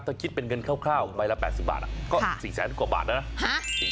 ถ้าคิดเป็นเงินคร่าวใบละ๘๐บาทก็๔แสนกว่าบาทแล้วนะ